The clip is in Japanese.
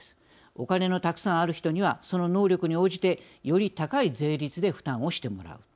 お金のたくさんある人にはその能力に応じてより高い税率で負担をしてもらう。